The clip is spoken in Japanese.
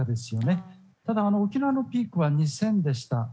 ただ、沖縄のピークは２０００でした。